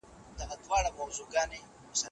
هغه سړی چي کار کوي تل بريالی کېږي.